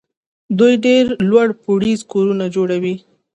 دوی ډېر لوړ پوړیز کورونه جوړوي.